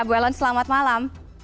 bu ellen selamat malam